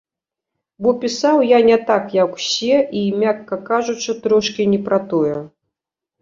Бо пісаў я не так, як усе і, мякка кажучы, трошкі не пра тое.